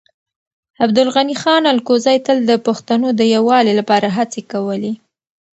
عبدالغني خان الکوزی تل د پښتنو د يووالي لپاره هڅې کولې.